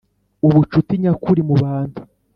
Ubucuti nyakuri mubantu